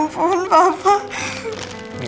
tidak lupa dong